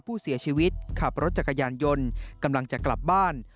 ผู้เสียชีวิตขับรถจักรยานยนต์กำลังจะกลับบ้าน